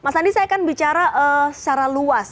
tadi saya kan bicara secara luas